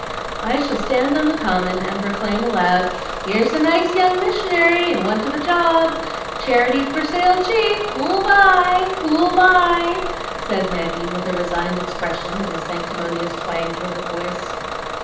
"I shall stand on the Common, and proclaim aloud, 'Here's a nice young missionary, in want of a job! Charity for sale cheap! Who'll buy? who'll buy?'" said Maggie, with a resigned expression, and a sanctimonious twang to her voice.